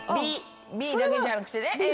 Ｂだけじゃなくてね